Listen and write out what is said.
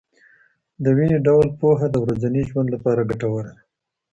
دویني ډول پوهه د ورځني ژوند لپاره ګټوره ده.